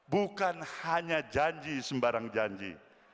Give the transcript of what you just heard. bukan hanya janji sembarang janji